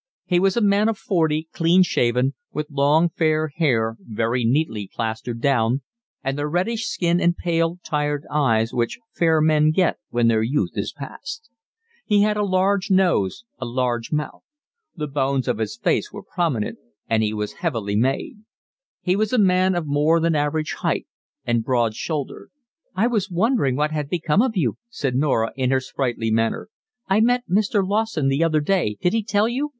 He was a man of forty, clean shaven, with long fair hair very neatly plastered down, and the reddish skin and pale, tired eyes which fair men get when their youth is passed. He had a large nose, a large mouth; the bones of his face were prominent, and he was heavily made; he was a man of more than average height, and broad shouldered. "I was wondering what had become of you," said Norah, in her sprightly manner. "I met Mr. Lawson the other day—did he tell you?